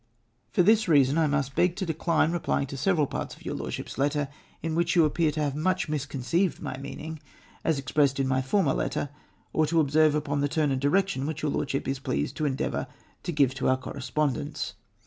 " For tins reason I must beg to decline replying to several parts of your Lordship's letter, in which you appear to have much misconceived my meaning, as expressed in my former letter, or to observe upon the turn and direction which your Lordship is pleased to endeavour to give to our cor resj^ondence.